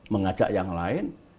mengajak yang lain